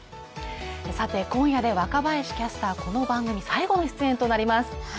今夜で若林キャスター、この番組最後の出演となります。